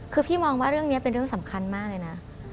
คือพี่มองว่าเรื่องนี้เป็นเรื่องสำคัญมากเลยนะ